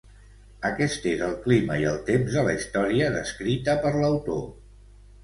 Aquest és el clima i el temps de la història descrita per l'autor.